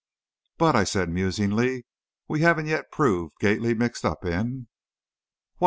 "But," I said, musingly, "we haven't yet proved Gately mixed up in " "What!"